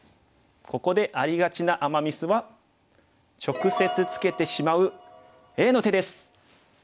ここでありがちなアマ・ミスは直接ツケてしまうＡの手です。